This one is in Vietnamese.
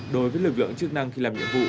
đối với lực lượng chức năng khi làm nhiệm vụ